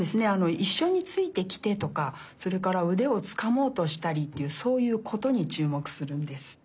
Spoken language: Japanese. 「いっしょについてきて」とかそれからうでをつかもうとしたりっていうそういう「こと」にちゅうもくするんです。